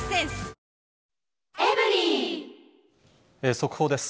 速報です。